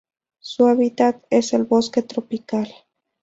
Su hábitat es el bosque tropical.